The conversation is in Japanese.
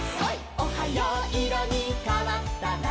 「おはよういろにかわったら」